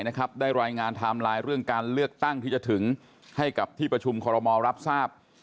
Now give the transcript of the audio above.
ได้รายงานไทม์ไลน์เรื่องการเลือกตั้งที่จะถึงให้กับที่ประชุมคอรมอลรับทราบ